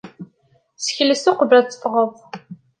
Sekles uqbel ad teffɣeḍ.